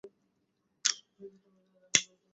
কথাটা মুখ ফসকে বেড়িয়ে গেছে।